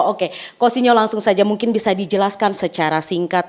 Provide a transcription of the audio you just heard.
oke costinyo langsung saja mungkin bisa dijelaskan secara singkat